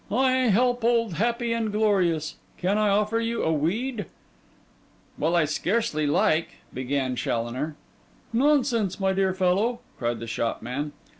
'I help old Happy and Glorious. Can I offer you a weed?' 'Well, I scarcely like ...' began Challoner. 'Nonsense, my dear fellow,' cried the shopman.